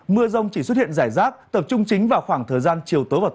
mưa rông chỉ xuất hiện rải rác